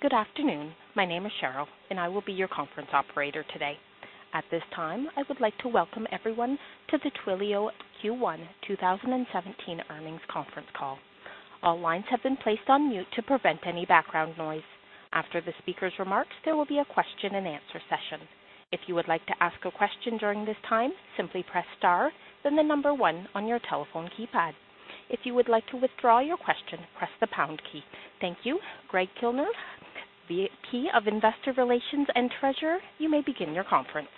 Good afternoon. My name is Cheryl, and I will be your conference operator today. At this time, I would like to welcome everyone to the Twilio Q1 2017 Earnings Conference Call. All lines have been placed on mute to prevent any background noise. After the speaker's remarks, there will be a question and answer session. If you would like to ask a question during this time, simply press star, then the number one on your telephone keypad. If you would like to withdraw your question, press the pound key. Thank you. Greg Kulkarni, VP of Investor Relations and Treasurer, you may begin your conference.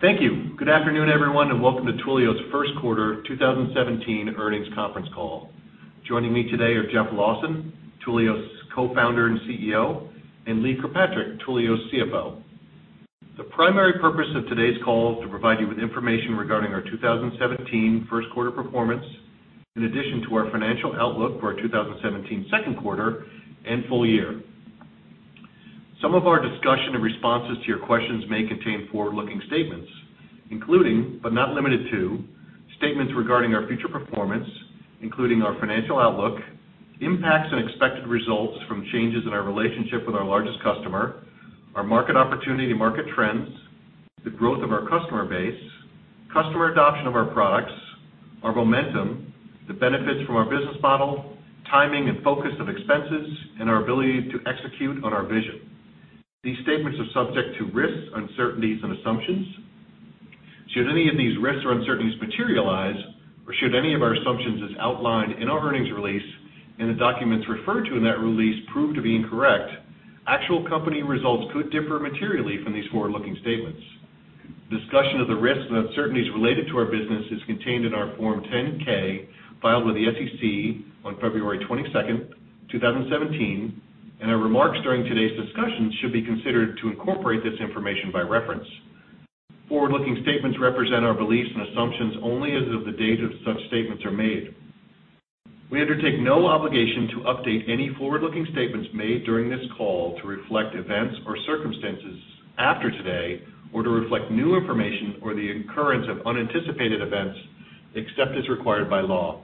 Thank you. Good afternoon, everyone, and welcome to Twilio's first quarter 2017 earnings conference call. Joining me today are Jeff Lawson, Twilio's Co-founder and CEO, and Lee Kirkpatrick, Twilio's CFO. The primary purpose of today's call is to provide you with information regarding our 2017 first quarter performance, in addition to our financial outlook for our 2017 second quarter and full year. Some of our discussion and responses to your questions may contain forward-looking statements, including, but not limited to, statements regarding our future performance, including our financial outlook, impacts and expected results from changes in our relationship with our largest customer, our market opportunity, market trends, the growth of our customer base, customer adoption of our products, our momentum, the benefits from our business model, timing and focus of expenses, and our ability to execute on our vision. These statements are subject to risks, uncertainties, and assumptions. Should any of these risks or uncertainties materialize, or should any of our assumptions as outlined in our earnings release and the documents referred to in that release prove to be incorrect, actual company results could differ materially from these forward-looking statements. Discussion of the risks and uncertainties related to our business is contained in our Form 10-K filed with the SEC on February 22nd, 2017, and our remarks during today's discussion should be considered to incorporate this information by reference. Forward-looking statements represent our beliefs and assumptions only as of the date that such statements are made. We undertake no obligation to update any forward-looking statements made during this call to reflect events or circumstances after today or to reflect new information or the occurrence of unanticipated events, except as required by law.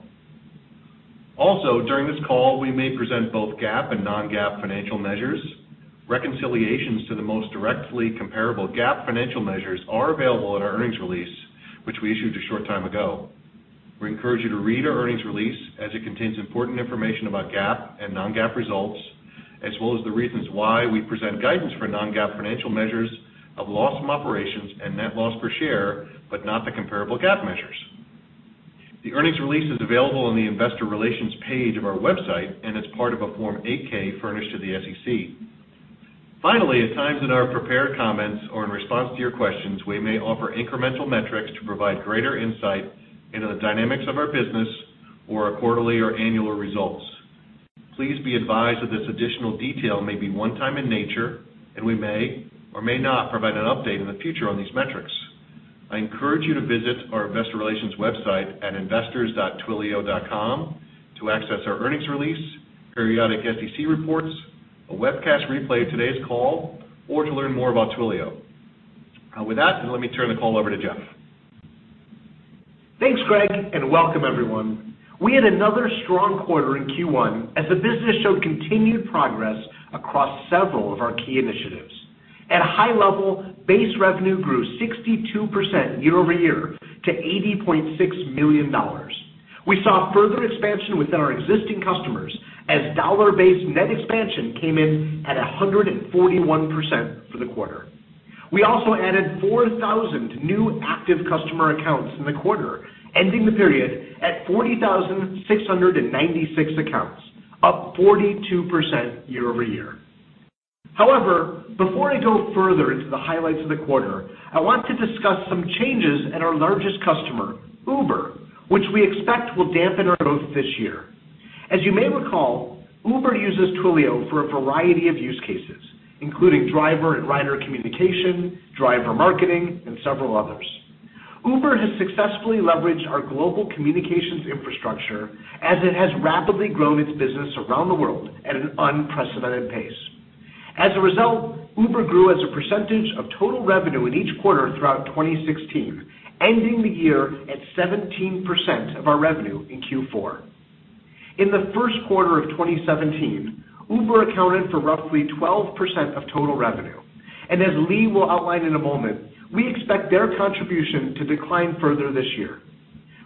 Also, during this call, we may present both GAAP and non-GAAP financial measures. Reconciliations to the most directly comparable GAAP financial measures are available in our earnings release, which we issued a short time ago. We encourage you to read our earnings release as it contains important information about GAAP and non-GAAP results, as well as the reasons why we present guidance for non-GAAP financial measures of loss from operations and net loss per share, but not the comparable GAAP measures. The earnings release is available on the investor relations page of our website and as part of a Form 8-K furnished to the SEC. Finally, at times in our prepared comments or in response to your questions, we may offer incremental metrics to provide greater insight into the dynamics of our business or our quarterly or annual results. Please be advised that this additional detail may be one time in nature, and we may or may not provide an update in the future on these metrics. I encourage you to visit our investor relations website at investors.twilio.com to access our earnings release, periodic SEC reports, a webcast replay of today's call, or to learn more about Twilio. With that, let me turn the call over to Jeff. Thanks, Greg, and welcome everyone. We had another strong quarter in Q1 as the business showed continued progress across several of our key initiatives. At a high level, Base Revenue grew 62% year-over-year to $80.6 million. We saw further expansion within our existing customers as Dollar-Based Net Expansion came in at 141% for the quarter. We also added 4,000 new active customer accounts in the quarter, ending the period at 40,696 accounts, up 42% year-over-year. However, before I go further into the highlights of the quarter, I want to discuss some changes at our largest customer, Uber, which we expect will dampen our growth this year. As you may recall, Uber uses Twilio for a variety of use cases, including driver and rider communication, driver marketing, and several others. Uber has successfully leveraged our global communications infrastructure as it has rapidly grown its business around the world at an unprecedented pace. As a result, Uber grew as a percentage of total revenue in each quarter throughout 2016, ending the year at 17% of our revenue in Q4. In the first quarter of 2017, Uber accounted for roughly 12% of total revenue. As Lee will outline in a moment, we expect their contribution to decline further this year.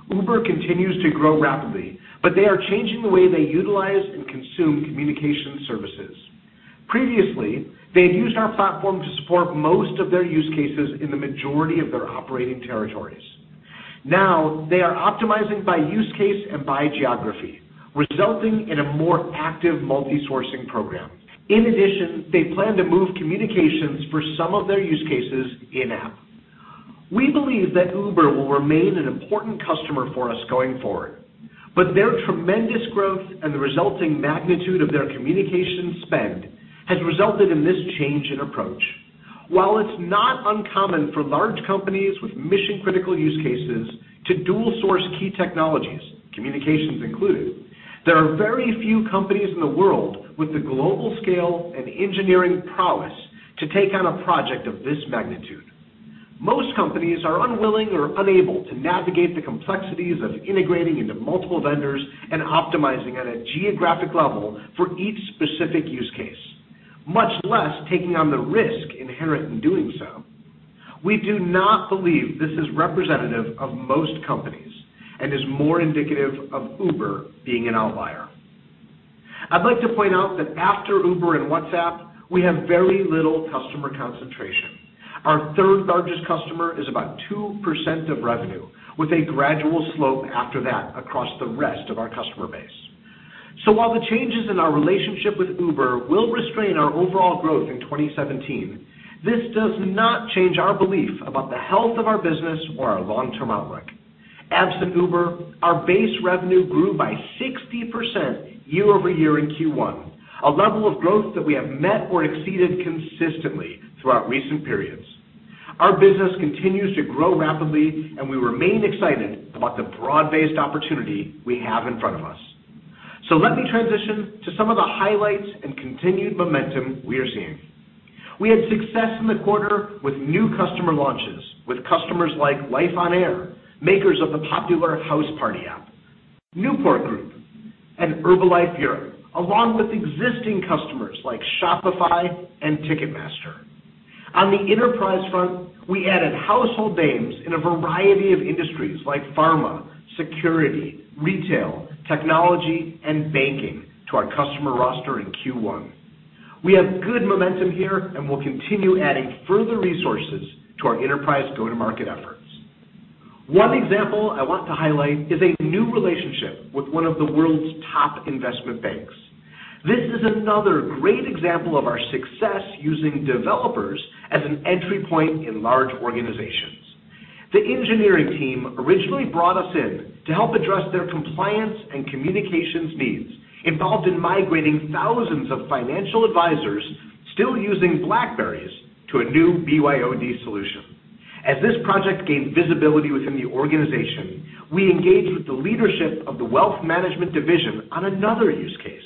Uber continues to grow rapidly, but they are changing the way they utilize and consume communication services. Previously, they had used our platform to support most of their use cases in the majority of their operating territories. Now, they are optimizing by use case and by geography, resulting in a more active multi-sourcing program. In addition, they plan to move communications for some of their use cases in-app. We believe that Uber will remain an important customer for us going forward, but their tremendous growth and the resulting magnitude of their communication spend has resulted in this change in approach. While it's not uncommon for large companies with mission-critical use cases to dual source key technologies, communications included, there are very few companies in the world with the global scale and engineering prowess to take on a project of this magnitude. Most companies are unwilling or unable to navigate the complexities of integrating into multiple vendors and optimizing at a geographic level for each specific use case, much less taking on the risk inherent in doing so. We do not believe this is representative of most companies and is more indicative of Uber being an outlier. I'd like to point out that after Uber and WhatsApp, we have very little customer concentration. Our third-largest customer is about 2% of revenue, with a gradual slope after that across the rest of our customer base. While the changes in our relationship with Uber will restrain our overall growth in 2017, this does not change our belief about the health of our business or our long-term outlook. Absent Uber, our Base Revenue grew by 60% year-over-year in Q1, a level of growth that we have met or exceeded consistently throughout recent periods. Our business continues to grow rapidly, and we remain excited about the broad-based opportunity we have in front of us. Let me transition to some of the highlights and continued momentum we are seeing. We had success in the quarter with new customer launches, with customers like Life on Air, makers of the popular Houseparty app, Newport Group, and Herbalife Europe, along with existing customers like Shopify and Ticketmaster. On the enterprise front, we added household names in a variety of industries like pharma, security, retail, technology, and banking to our customer roster in Q1. We have good momentum here and will continue adding further resources to our enterprise go-to-market efforts. One example I want to highlight is a new relationship with one of the world's top investment banks. This is another great example of our success using developers as an entry point in large organizations. The engineering team originally brought us in to help address their compliance and communications needs involved in migrating thousands of financial advisors still using BlackBerrys to a new BYOD solution. As this project gained visibility within the organization, we engaged with the leadership of the wealth management division on another use case,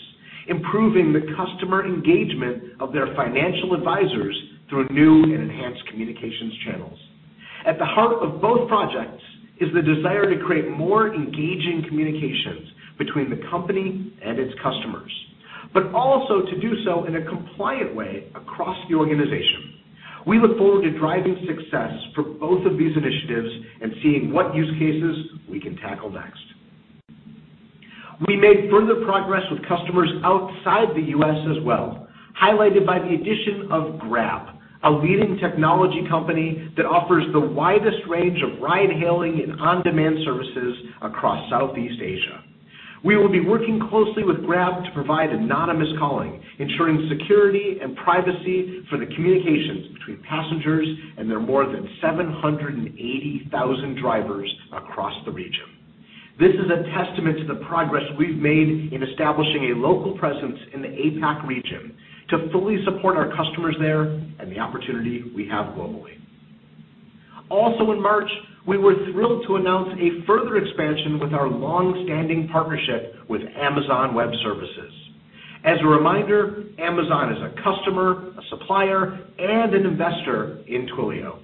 improving the customer engagement of their financial advisors through new and enhanced communications channels. At the heart of both projects is the desire to create more engaging communications between the company and its customers, but also to do so in a compliant way across the organization. We look forward to driving success for both of these initiatives and seeing what use cases we can tackle next. We made further progress with customers outside the U.S. as well, highlighted by the addition of Grab, a leading technology company that offers the widest range of ride-hailing and on-demand services across Southeast Asia. We will be working closely with Grab to provide anonymous calling, ensuring security and privacy for the communications between passengers and their more than 780,000 drivers across the region. This is a testament to the progress we've made in establishing a local presence in the APAC region to fully support our customers there and the opportunity we have globally. Also in March, we were thrilled to announce a further expansion with our long-standing partnership with Amazon Web Services. As a reminder, Amazon is a customer, a supplier, and an investor in Twilio.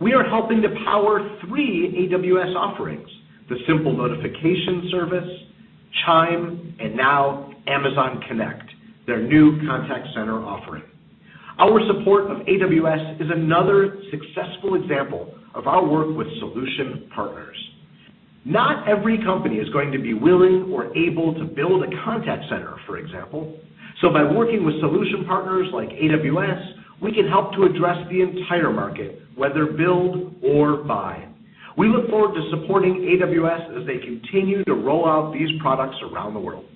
We are helping to power three AWS offerings, the Amazon Simple Notification Service, Amazon Chime, and now Amazon Connect, their new contact center offering. Our support of AWS is another successful example of our work with solution partners. Not every company is going to be willing or able to build a contact center, for example. By working with solution partners like AWS, we can help to address the entire market, whether build or buy. We look forward to supporting AWS as they continue to roll out these products around the world.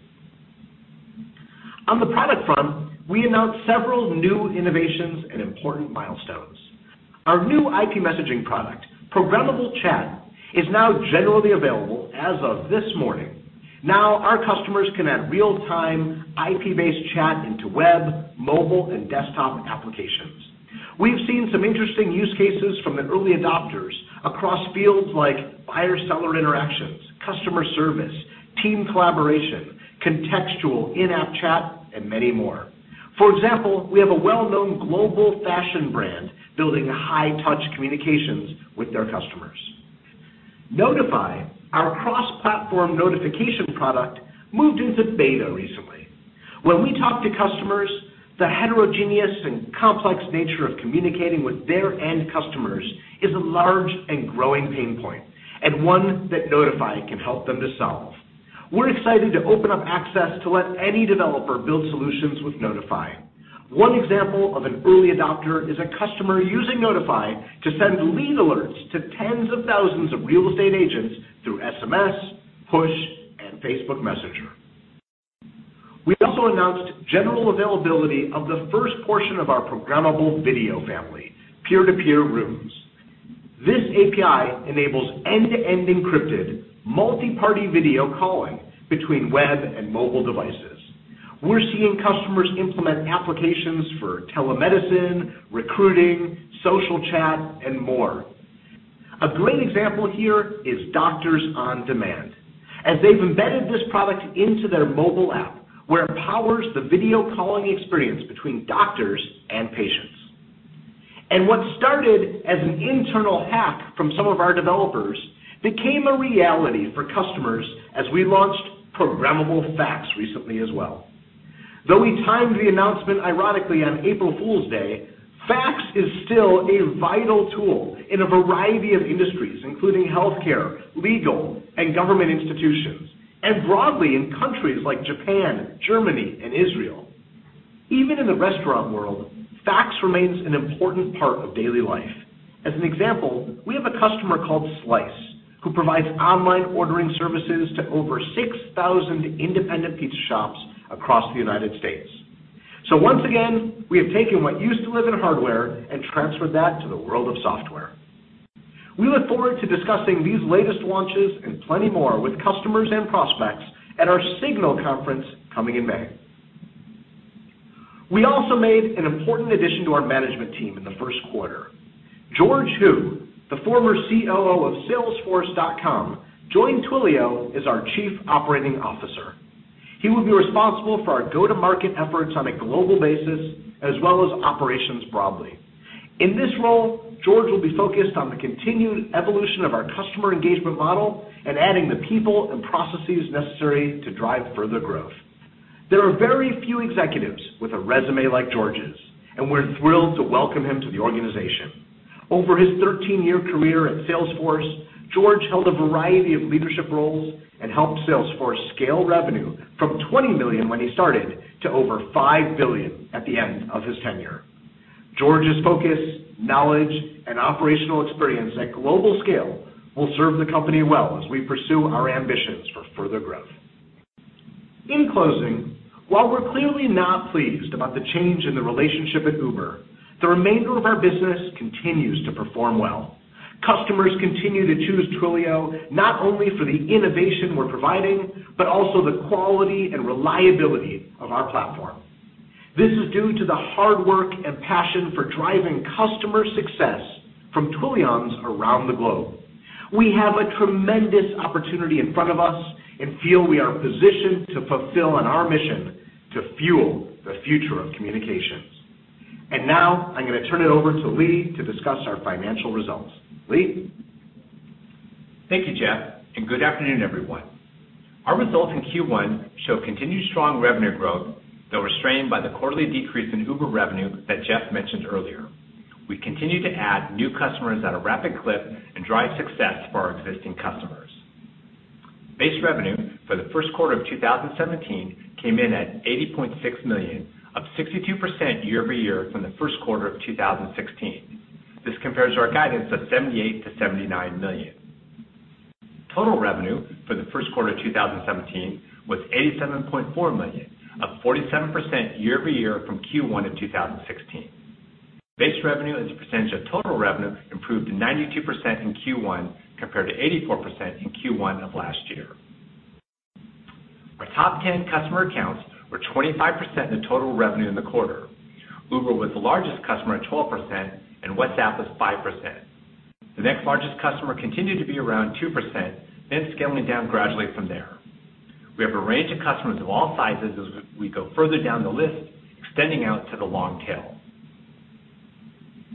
On the product front, we announced several new innovations and important milestones. Our new IP Messaging product, Programmable Chat, is now generally available as of this morning. Our customers can add real-time, IP-based chat into web, mobile, and desktop applications. We've seen some interesting use cases from the early adopters across fields like buyer-seller interactions, customer service, team collaboration, contextual in-app chat, and many more. For example, we have a well-known global fashion brand building high-touch communications with their customers. Notify, our cross-platform notification product, moved into beta recently. When we talk to customers, the heterogeneous and complex nature of communicating with their end customers is a large and growing pain point, and one that Notify can help them to solve. We're excited to open up access to let any developer build solutions with Notify. One example of an early adopter is a customer using Notify to send lead alerts to tens of thousands of real estate agents through SMS, push, and Facebook Messenger. We also announced general availability of the first portion of our Programmable Video family, Peer-to-Peer Rooms. This API enables end-to-end encrypted, multi-party video calling between web and mobile devices. We're seeing customers implement applications for telemedicine, recruiting, social chat, and more. A great example here is Doctor on Demand, as they've embedded this product into their mobile app, where it powers the video calling experience between doctors and patients. What started as an internal hack from some of our developers became a reality for customers as we launched Programmable Fax recently as well. Though we timed the announcement, ironically, on April Fools' Day, fax is still a vital tool in a variety of industries, including healthcare, legal, and government institutions, and broadly in countries like Japan, Germany, and Israel. Even in the restaurant world, fax remains an important part of daily life. As an example, we have a customer called Slice who provides online ordering services to over 6,000 independent pizza shops across the U.S. Once again, we have taken what used to live in hardware and transferred that to the world of software. We look forward to discussing these latest launches and plenty more with customers and prospects at our SIGNAL conference coming in May. We also made an important addition to our management team in the first quarter. George Hu, the former COO of salesforce.com, joined Twilio as our Chief Operating Officer. He will be responsible for our go-to-market efforts on a global basis, as well as operations broadly. In this role, George will be focused on the continued evolution of our customer engagement model and adding the people and processes necessary to drive further growth. There are very few executives with a resume like George's, and we're thrilled to welcome him to the organization. Over his 13-year career at Salesforce, George held a variety of leadership roles and helped Salesforce scale revenue from $20 million when he started to over $5 billion at the end of his tenure. George's focus, knowledge, and operational experience at global scale will serve the company well as we pursue our ambitions for further growth. In closing, while we're clearly not pleased about the change in the relationship with Uber, the remainder of our business continues to perform well. Customers continue to choose Twilio not only for the innovation we're providing, but also the quality and reliability of our platform. This is due to the hard work and passion for driving customer success from Twilions around the globe. We have a tremendous opportunity in front of us and feel we are positioned to fulfill on our mission to fuel the future of communications. Now I'm going to turn it over to Lee to discuss our financial results. Lee? Thank you, Jeff, good afternoon, everyone. Our results in Q1 show continued strong revenue growth, though restrained by the quarterly decrease in Uber revenue that Jeff mentioned earlier. We continue to add new customers at a rapid clip and drive success for our existing customers. Base Revenue for the first quarter of 2017 came in at $80.6 million, up 62% year-over-year from the first quarter of 2016. This compares to our guidance of $78 million-$79 million. Total revenue for the first quarter 2017 was $87.4 million, up 47% year-over-year from Q1 in 2016. Base Revenue as a percentage of total revenue improved to 92% in Q1 compared to 84% in Q1 of last year. Our top 10 customer accounts were 25% of the total revenue in the quarter. Uber was the largest customer at 12%, WhatsApp was 5%. The next largest customer continued to be around 2%, then scaling down gradually from there. We have a range of customers of all sizes as we go further down the list, extending out to the long tail.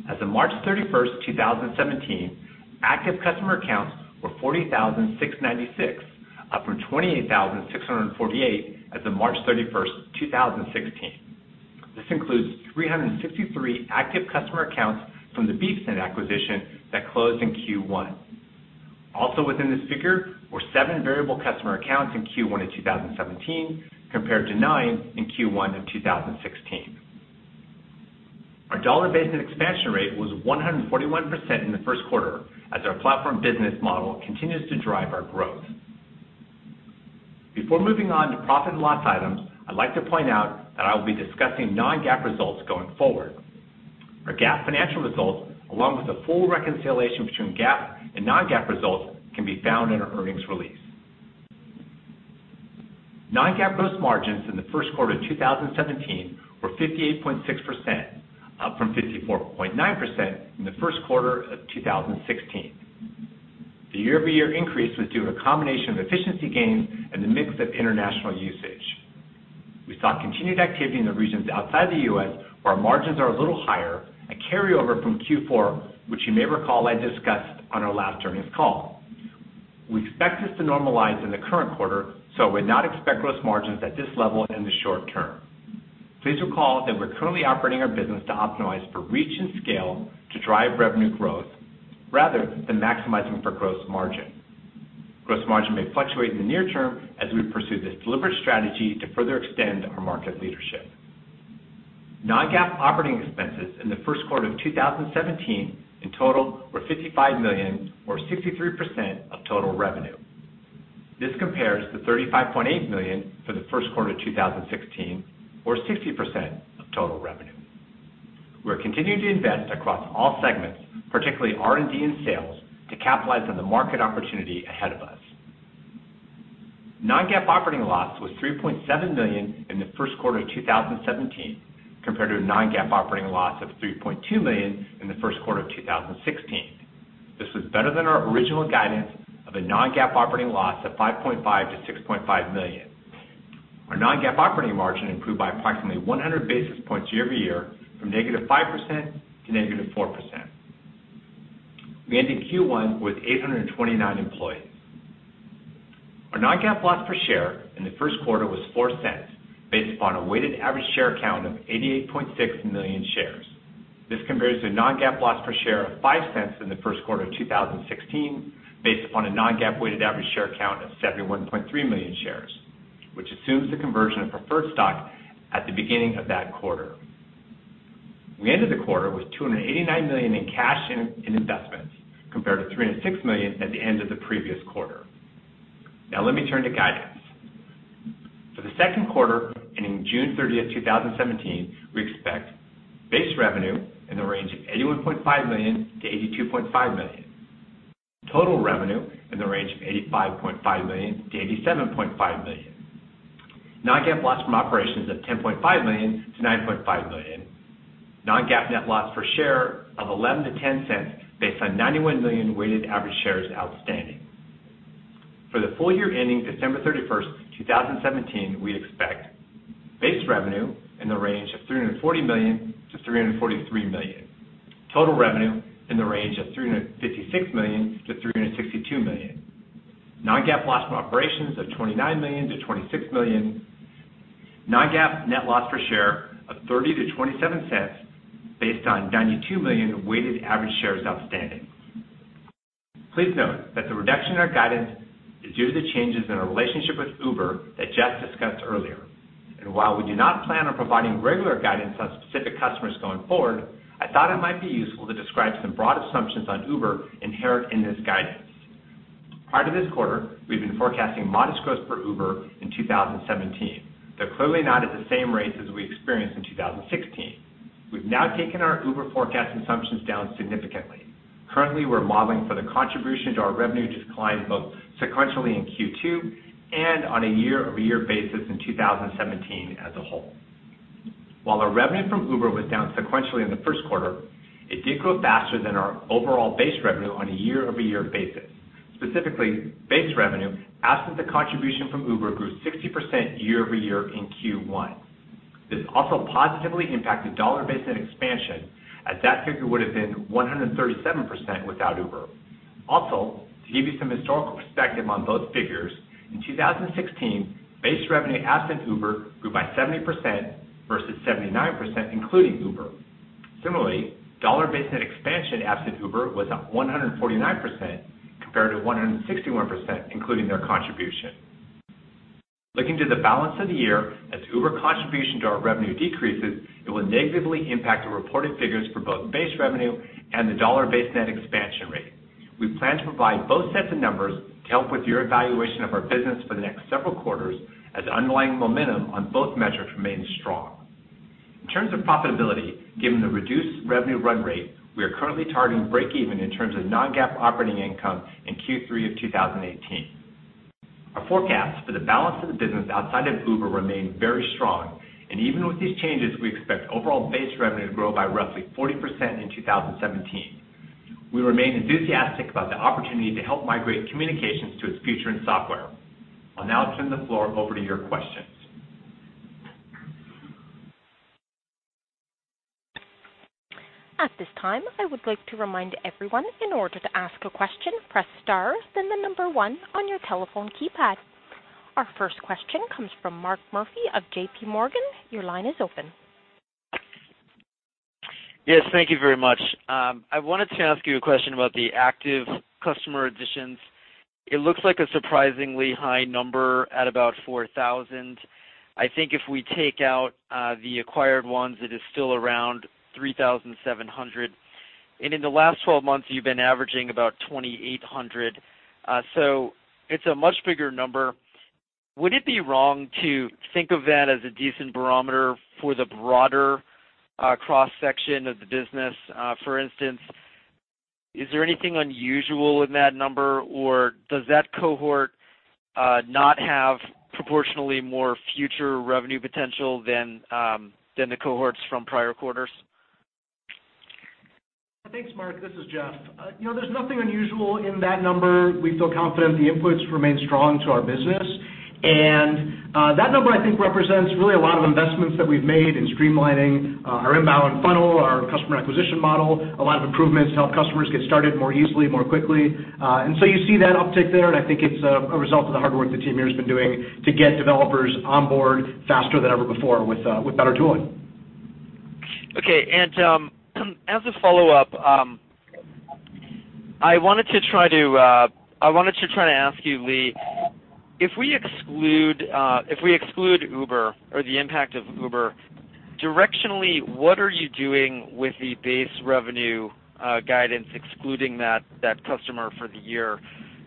As of March 31st, 2017, active customer accounts were 40,696, up from 28,648 as of March 31st, 2016. This includes 363 active customer accounts from the Beepsend acquisition that closed in Q1. Also within this figure were seven variable customer accounts in Q1 of 2017, compared to nine in Q1 of 2016. Our Dollar-Based Net Expansion Rate was 141% in the first quarter, as our platform business model continues to drive our growth. Before moving on to profit and loss items, I'd like to point out that I will be discussing non-GAAP results going forward. Our GAAP financial results, along with the full reconciliation between GAAP and non-GAAP results, can be found in our earnings release. Non-GAAP gross margins in the first quarter 2017 were 58.6%, up from 54.9% in the first quarter of 2016. The year-over-year increase was due to a combination of efficiency gains and the mix of international usage. We saw continued activity in the regions outside the U.S. where our margins are a little higher, a carryover from Q4, which you may recall I discussed on our last earnings call. Would not expect gross margins at this level in the short term. Please recall that we're currently operating our business to optimize for reach and scale to drive revenue growth rather than maximizing for gross margin. Gross margin may fluctuate in the near term as we pursue this deliberate strategy to further extend our market leadership. Non-GAAP operating expenses in the first quarter of 2017 in total were $55 million, or 63% of total revenue. This compares to $35.8 million for the first quarter of 2016, or 60% of total revenue. We're continuing to invest across all segments, particularly R&D and sales, to capitalize on the market opportunity ahead of us. Non-GAAP operating loss was $3.7 million in the first quarter of 2017, compared to a non-GAAP operating loss of $3.2 million in the first quarter of 2016. This was better than our original guidance of a non-GAAP operating loss of $5.5 million-$6.5 million. Our non-GAAP operating margin improved by approximately 100 basis points year-over-year from negative 5% to negative 4%. We ended Q1 with 829 employees. Our non-GAAP loss per share in the first quarter was $0.04 based upon a weighted average share count of 88.6 million shares. This compares to non-GAAP loss per share of $0.05 in the first quarter of 2016, based upon a non-GAAP weighted average share count of 71.3 million shares, which assumes the conversion of preferred stock at the beginning of that quarter. We ended the quarter with $289 million in cash and investments, compared to $306 million at the end of the previous quarter. Now let me turn to guidance. For the second quarter ending June 30th, 2017, we expect Base Revenue in the range of $81.5 million-$82.5 million, total revenue in the range of $85.5 million-$87.5 million, non-GAAP loss from operations of $10.5 million-$9.5 million, non-GAAP net loss per share of $0.11-$0.10 based on 91 million weighted average shares outstanding. For the full year ending December 31st, 2017, we expect Base Revenue in the range of $340 million-$343 million, total revenue in the range of $356 million-$362 million, non-GAAP loss from operations of $29 million-$26 million, non-GAAP net loss per share of $0.30-$0.27 based on 92 million weighted average shares outstanding. Please note that the reduction in our guidance is due to the changes in our relationship with Uber that Jeff discussed earlier. While we do not plan on providing regular guidance on specific customers going forward, I thought it might be useful to describe some broad assumptions on Uber inherent in this guidance. Prior to this quarter, we've been forecasting modest growth for Uber in 2017, though clearly not at the same rates as we experienced in 2016. We've now taken our Uber forecast assumptions down significantly. Currently, we're modeling for the contribution to our revenue decline both sequentially in Q2 and on a year-over-year basis in 2017 as a whole. While our revenue from Uber was down sequentially in the first quarter, it did grow faster than our overall Base Revenue on a year-over-year basis. Specifically, Base Revenue, absent the contribution from Uber, grew 60% year-over-year in Q1. This also positively impacted Dollar-Based Net Expansion Rate, as that figure would have been 137% without Uber. Also, to give you some historical perspective on both figures, in 2016, Base Revenue absent Uber grew by 70% versus 79% including Uber. Similarly, Dollar-Based Net Expansion Rate absent Uber was up 149% compared to 161%, including their contribution. Looking to the balance of the year, as Uber contribution to our revenue decreases, it will negatively impact the reported figures for both Base Revenue and the Dollar-Based Net Expansion Rate. We plan to provide both sets of numbers to help with your evaluation of our business for the next several quarters as underlying momentum on both metrics remains strong. In terms of profitability, given the reduced revenue run rate, we are currently targeting breakeven in terms of non-GAAP operating income in Q3 of 2018. Our forecasts for the balance of the business outside of Uber remain very strong. Even with these changes, we expect overall Base Revenue to grow by roughly 40% in 2017. We remain enthusiastic about the opportunity to help migrate communications to its future in software. I'll now turn the floor over to your questions. At this time, I would like to remind everyone, in order to ask a question, press star, then the number one on your telephone keypad. Our first question comes from Mark Murphy of JPMorgan. Your line is open. Yes. Thank you very much. I wanted to ask you a question about the active customer additions. It looks like a surprisingly high number at about 4,000. I think if we take out the acquired ones, it is still around 3,700. In the last 12 months, you've been averaging about 2,800. It's a much bigger number. Would it be wrong to think of that as a decent barometer for the broader cross-section of the business? For instance, is there anything unusual in that number, or does that cohort not have proportionally more future revenue potential than the cohorts from prior quarters? Thanks, Mark. This is Jeff. There's nothing unusual in that number. We feel confident the inputs remain strong to our business, that number, I think, represents really a lot of investments that we've made in streamlining our inbound funnel, our customer acquisition model, a lot of improvements to help customers get started more easily, more quickly. You see that uptick there, I think it's a result of the hard work the team here has been doing to get developers on board faster than ever before with better tooling. Okay. As a follow-up, I wanted to try to ask you, Lee, if we exclude Uber or the impact of Uber, directionally, what are you doing with the Base Revenue guidance excluding that customer for the year?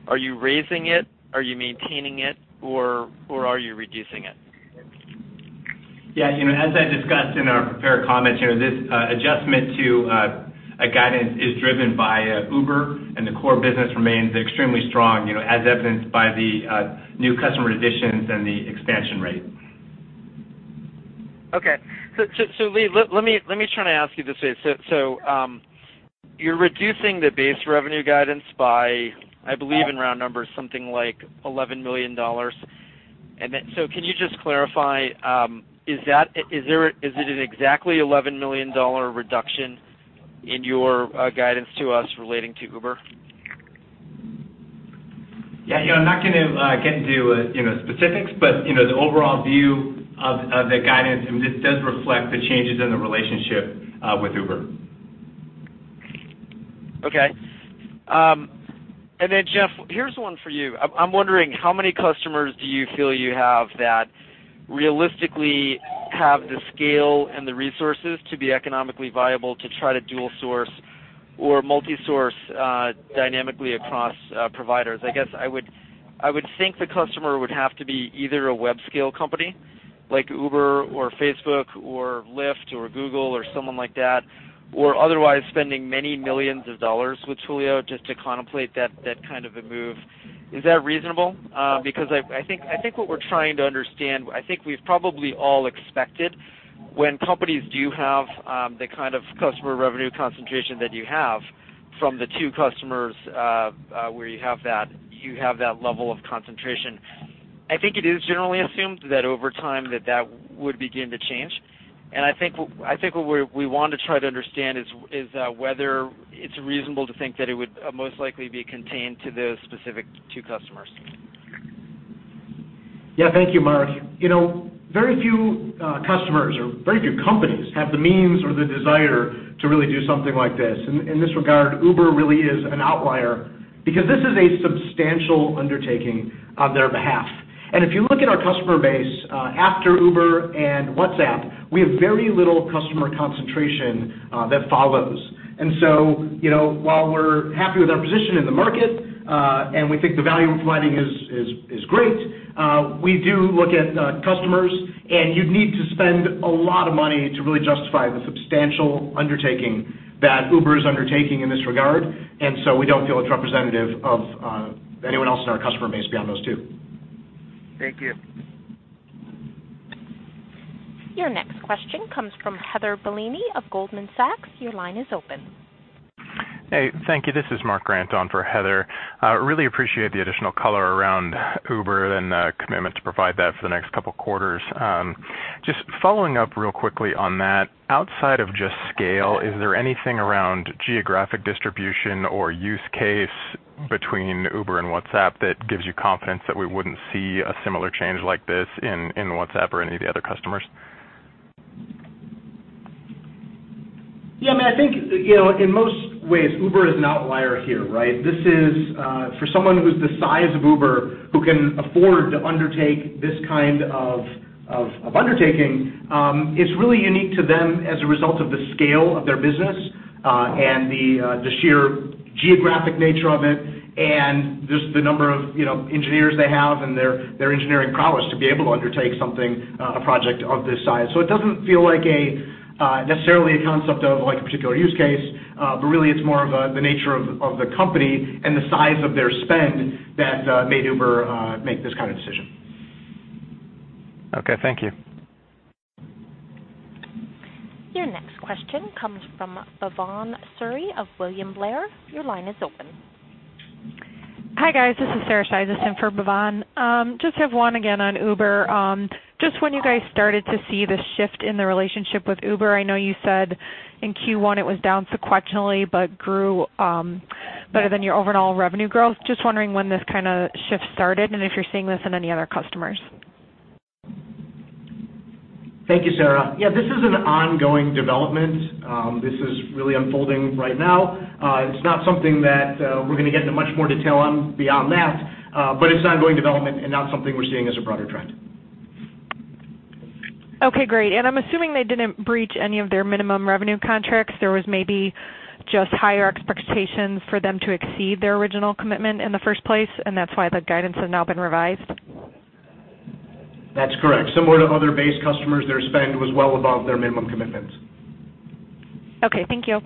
Are you raising it, are you maintaining it, or are you reducing it? Yeah. As I discussed in our prepared comments, this adjustment to guidance is driven by Uber, the core business remains extremely strong, as evidenced by the new customer additions and the expansion rate. Okay. Lee, let me try to ask you this way. You're reducing the Base Revenue guidance by, I believe in round numbers, something like $11 million. Can you just clarify, is it an exactly $11 million reduction in your guidance to us relating to Uber? Yeah. I'm not going to get into specifics, the overall view of the guidance, and this does reflect the changes in the relationship with Uber. Okay. Jeff, here's one for you. I'm wondering how many customers do you feel you have that realistically have the scale and the resources to be economically viable to try to dual source or multi-source dynamically across providers? I guess I would think the customer would have to be either a web-scale company like Uber or Facebook or Lyft or Google or someone like that, or otherwise spending many millions of dollars with Twilio just to contemplate that kind of a move. Is that reasonable? I think what we're trying to understand, I think we've probably all expected when companies do have the kind of customer revenue concentration that you have from the two customers, where you have that level of concentration. I think it is generally assumed that over time that that would begin to change. I think what we want to try to understand is whether it's reasonable to think that it would most likely be contained to those specific two customers. Yeah. Thank you, Mark. Very few customers or very few companies have the means or the desire to really do something like this. In this regard, Uber really is an outlier because this is a substantial undertaking on their behalf. If you look at our customer base after Uber and WhatsApp, we have very little customer concentration that follows. While we're happy with our position in the market, and we think the value we're providing is great, we do look at customers, and you'd need to spend a lot of money to really justify the substantial undertaking that Uber is undertaking in this regard. We don't feel it's representative of anyone else in our customer base beyond those two. Thank you. Your next question comes from Heather Bellini of Goldman Sachs. Your line is open. Hey, thank you. This is Mark Grant on for Heather. Really appreciate the additional color around Uber and the commitment to provide that for the next couple of quarters. Just following up real quickly on that, outside of just scale, is there anything around geographic distribution or use case between Uber and WhatsApp that gives you confidence that we wouldn't see a similar change like this in WhatsApp or any of the other customers? Yeah, I think, in most ways, Uber is an outlier here, right? This is for someone who's the size of Uber, who can afford to undertake this kind of undertaking, it's really unique to them as a result of the scale of their business, and the sheer geographic nature of it and just the number of engineers they have and their engineering prowess to be able to undertake something, a project of this size. It doesn't feel like necessarily a concept of a particular use case, but really it's more of the nature of the company and the size of their spend that made Uber make this kind of decision. Okay, thank you. Your next question comes from Bhavan Suri of William Blair. Your line is open. Hi, guys. This is Sarah Shizas for Bhavan. Just have one again on Uber. Just when you guys started to see the shift in the relationship with Uber, I know you said in Q1 it was down sequentially but grew better than your overall revenue growth. Just wondering when this kind of shift started and if you're seeing this in any other customers. Thank you, Sarah. Yeah, this is an ongoing development. This is really unfolding right now. It's not something that we're going to get into much more detail on beyond that, but it's an ongoing development and not something we're seeing as a broader trend. Okay, great. I'm assuming they didn't breach any of their minimum revenue contracts. There was maybe just higher expectations for them to exceed their original commitment in the first place, and that's why the guidance has now been revised? That's correct. Similar to other base customers, their spend was well above their minimum commitments. Okay, thank you.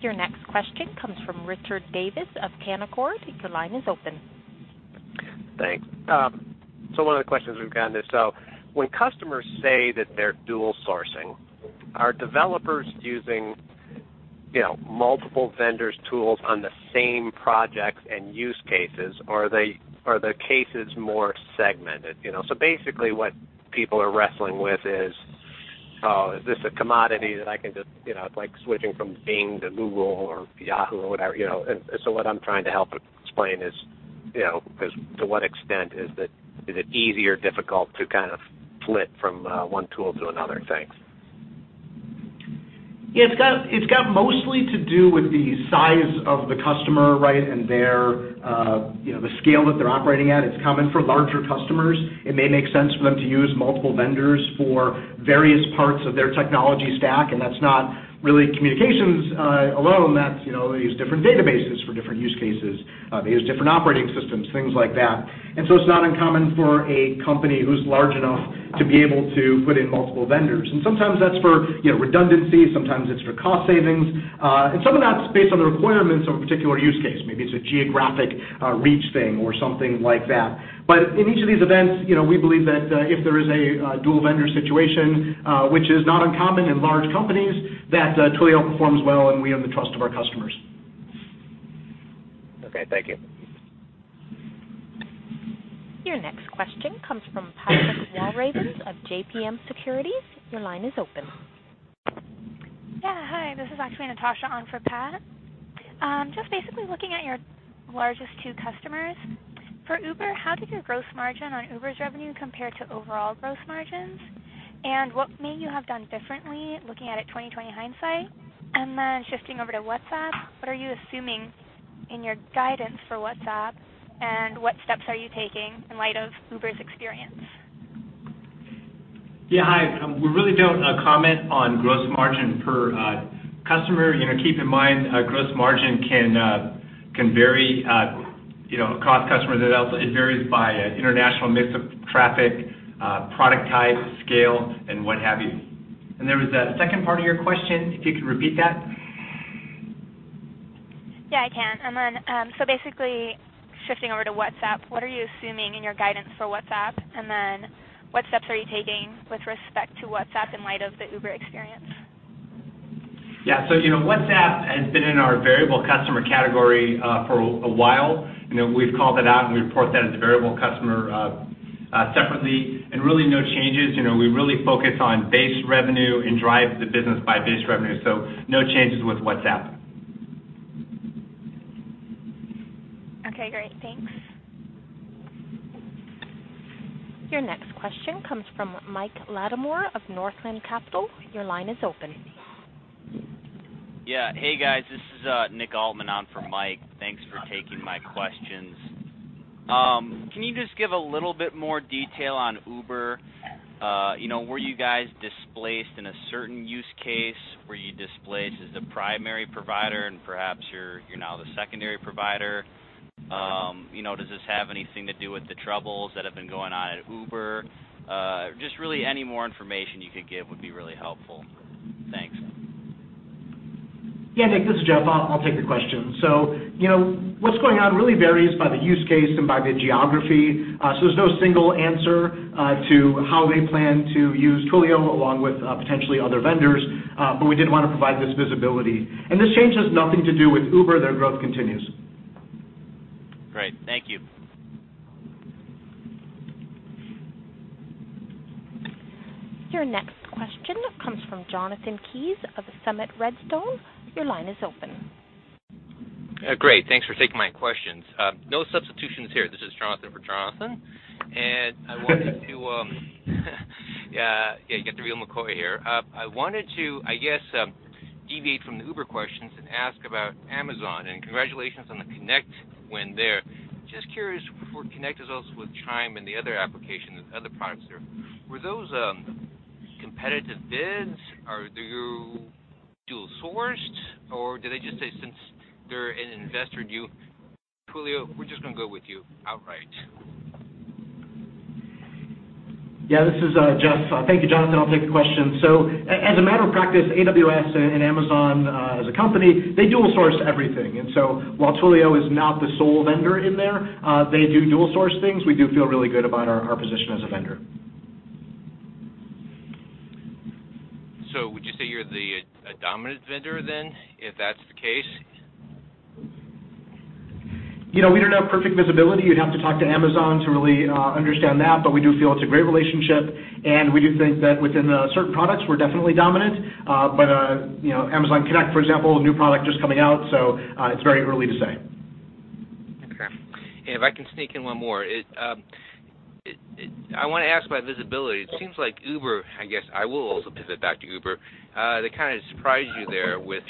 Your next question comes from Richard Davis of Canaccord. Your line is open. Thanks. One of the questions we've gotten is, when customers say that they're dual sourcing, are developers using multiple vendors' tools on the same projects and use cases? Or are the cases more segmented? Basically, what people are wrestling with is this a commodity that I can just like switching from Bing to Google or Yahoo or whatever. What I'm trying to help explain is, to what extent is it easy or difficult to kind of flip from one tool to another? Thanks. Yeah, it's got mostly to do with the size of the customer and the scale that they're operating at. It's common for larger customers. It may make sense for them to use multiple vendors for various parts of their technology stack, and that's not really communications alone. They use different databases for different use cases. They use different operating systems, things like that. It's not uncommon for a company who's large enough to be able to put in multiple vendors. Sometimes that's for redundancy, sometimes it's for cost savings. Some of that's based on the requirements of a particular use case. Maybe it's a geographic reach thing or something like that. In each of these events, we believe that if there is a dual-vendor situation, which is not uncommon in large companies, that Twilio performs well and we earn the trust of our customers. Okay, thank you. Your next question comes from Pat Walravens of JMP Securities. Your line is open. Hi, this is actually Natasha on for Pat. Basically looking at your largest two customers. For Uber, how did your gross margin on Uber's revenue compare to overall gross margins? What may you have done differently looking at it 20/20 hindsight? Shifting over to WhatsApp, what are you assuming in your guidance for WhatsApp, and what steps are you taking in light of Uber's experience? Hi. We really don't comment on gross margin per customer. Keep in mind, gross margin can vary across customers. It varies by international mix of traffic, product type, scale, and what have you. There was a second part of your question, if you could repeat that. I can. Basically, shifting over to WhatsApp, what are you assuming in your guidance for WhatsApp? What steps are you taking with respect to WhatsApp in light of the Uber experience? WhatsApp has been in our variable customer category for a while. We've called that out, and we report that as a variable customer separately and really no changes. We really focus on Base Revenue and drive the business by Base Revenue, no changes with WhatsApp. Okay, great. Thanks. Your next question comes from Mike Latimore of Northland Capital. Your line is open. Yeah. Hey, guys. This is Nick Altman on for Mike. Thanks for taking my questions. Can you just give a little bit more detail on Uber? Were you guys displaced in a certain use case? Were you displaced as the primary provider and perhaps you're now the secondary provider? Does this have anything to do with the troubles that have been going on at Uber? Just really any more information you could give would be really helpful. Thanks. Yeah, Nick, this is Jeff. I'll take the question. What's going on really varies by the use case and by the geography. There's no single answer to how they plan to use Twilio along with potentially other vendors. We did want to provide this visibility. This change has nothing to do with Uber. Their growth continues. Great. Thank you. Your next question comes from Jonathan Kees of Summit Redstone. Your line is open. Great. Thanks for taking my questions. No substitutions here. This is Jonathan for Jonathan. Yeah, you got the real McCoy here. I wanted to, I guess, deviate from the Uber questions and ask about Amazon, and congratulations on the Connect win there. Just curious, for Connect as well as with Chime and the other applications, other products there, were those competitive bids, or do you dual sourced, or did they just say, since they're an investor in you, Twilio, we're just going to go with you outright? Yeah, this is Jeff. Thank you, Jonathan. I'll take the question. As a matter of practice, AWS and Amazon as a company, they dual source everything. While Twilio is not the sole vendor in there, they do dual source things. We do feel really good about our position as a vendor. Would you say you're the dominant vendor, if that's the case? We don't have perfect visibility. You'd have to talk to Amazon to really understand that. We do feel it's a great relationship, and we do think that within certain products, we're definitely dominant. Amazon Connect, for example, new product just coming out, it's very early to say. Okay. If I can sneak in one more. I want to ask about visibility. It seems like Uber I guess I will also pivot back to Uber. They kind of surprised you there with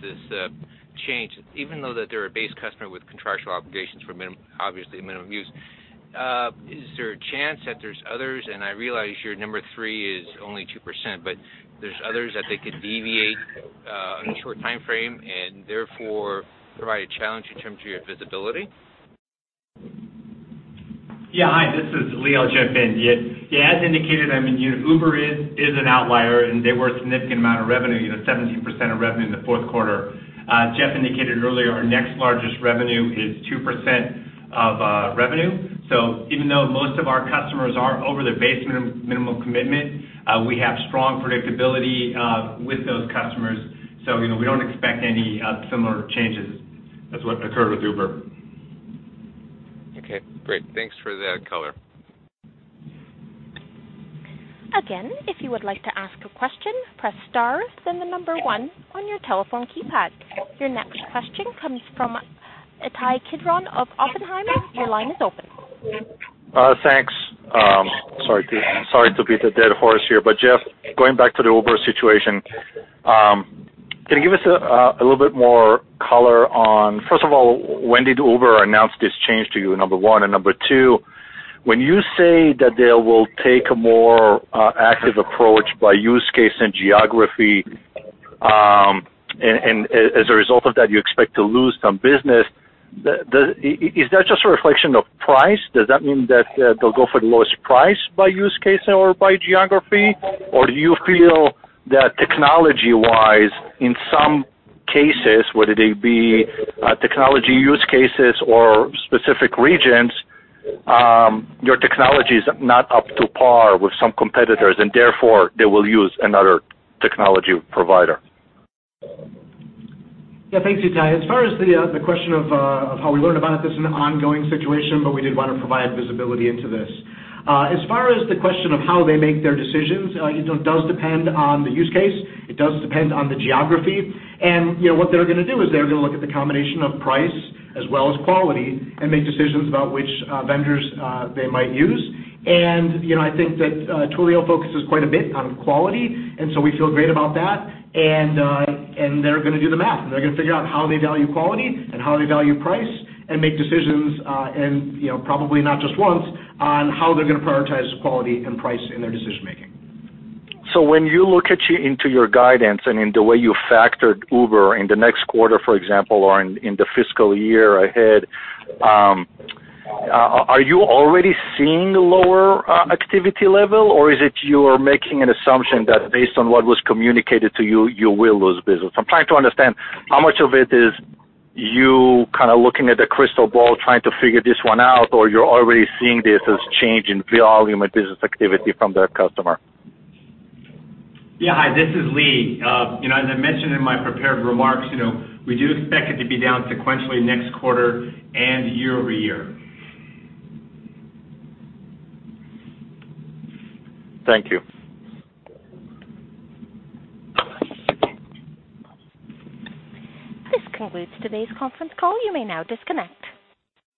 this change, even though that they're a base customer with contractual obligations for, obviously, minimum use. Is there a chance that there's others, and I realize your number three is only 2%, but there's others that they could deviate on a short timeframe and therefore provide a challenge in terms of your visibility? Yeah. Hi, this is Lee, I'll jump in. As indicated, Uber is an outlier, and they were a significant amount of revenue, 17% of revenue in the fourth quarter. Jeff indicated earlier our next largest revenue is 2% of revenue. Even though most of our customers are over their base minimum commitment, we have strong predictability with those customers. We don't expect any similar changes as what occurred with Uber. Okay, great. Thanks for that color. Again, if you would like to ask a question, press star, then the number one on your telephone keypad. Your next question comes from Ittai Kidron of Oppenheimer, your line is open. Thanks. Sorry to beat a dead horse here, but Jeff, going back to the Uber situation, can you give us a little bit more color on, first of all, when did Uber announce this change to you, number one? Number two, when you say that they will take a more active approach by use case and geography, as a result of that, you expect to lose some business, is that just a reflection of price? Does that mean that they'll go for the lowest price by use case or by geography? Or do you feel that technology-wise, in some cases, whether they be technology use cases or specific regions, your technology is not up to par with some competitors and therefore they will use another technology provider? Yeah. Thanks, Ittai. As far as the question of how we learned about it, this is an ongoing situation, we did want to provide visibility into this. As far as the question of how they make their decisions, it does depend on the use case, it does depend on the geography. What they're going to do is they're going to look at the combination of price as well as quality and make decisions about which vendors they might use. I think that Twilio focuses quite a bit on quality, and so we feel great about that. They're going to do the math. They're going to figure out how they value quality and how they value price and make decisions, and probably not just once, on how they're going to prioritize quality and price in their decision-making. When you look into your guidance and in the way you factored Uber in the next quarter, for example, or in the fiscal year ahead, are you already seeing lower activity level, or is it you're making an assumption that based on what was communicated to you will lose business? I'm trying to understand how much of it is you kind of looking at a crystal ball trying to figure this one out, or you're already seeing this as change in volume of business activity from their customer. Yeah. Hi, this is Lee. As I mentioned in my prepared remarks, we do expect it to be down sequentially next quarter and year-over-year. Thank you. This concludes today's conference call. You may now disconnect.